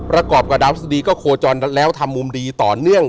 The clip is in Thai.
ระกอบกับแล้วดับทรศดีก็โหจอนแล้วทำมุมดีต่อเนื่อง